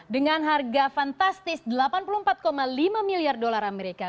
dengan harga fantastis delapan puluh empat lima miliar dolar amerika